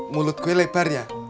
mulut gue lebar ya